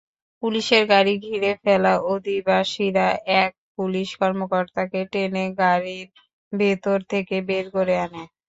পুলিশের গাড়ি ঘিরে ফেলা অধিবাসীরা এক পুলিশ কর্মকর্তাকে টেনে গাড়ির ভেতর থেকে বের করে আনে।